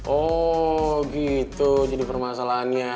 oh gitu jadi permasalahannya